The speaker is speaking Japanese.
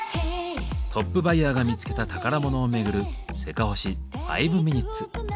トップバイヤーが見つけた宝物を巡る「せかほし５ｍｉｎ．」。